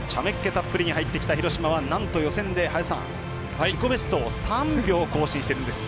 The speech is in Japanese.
たっぷりに入ってきた廣島はなんと、予選で自己ベストを３秒更新しているんです。